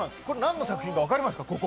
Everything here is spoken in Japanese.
これ何の作品か分かりますか